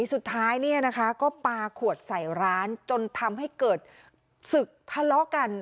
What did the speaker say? สุดท้ายก็ปลาขวดใส่ร้านจนทำให้เกิดสึกทะเลาะกัน